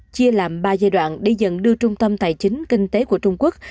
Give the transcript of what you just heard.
chia làm ba giai đoạn để dần đưa trung tâm tài chính kinh tế của trung quốc